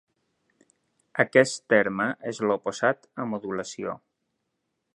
Aquest terme és l'oposat a modulació.